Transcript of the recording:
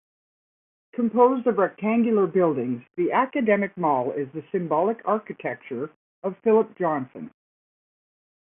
Composed of rectangular buildings, the Academic Mall is the symbolic architecture of Philip Johnson.